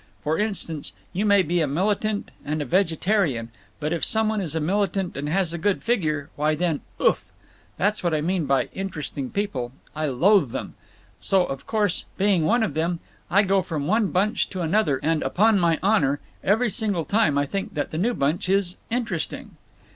For instance, you may be a militant and a vegetarian, but if some one is a militant and has a good figure, why then—oof!… That's what I mean by 'Interesting People.' I loathe them! So, of course, being one of them, I go from one bunch to another, and, upon my honor, every single time I think that the new bunch is interesting!"